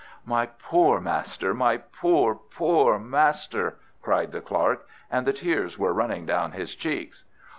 "My poor master! My poor, poor master!" cried the clerk, and the tears were running down his cheeks.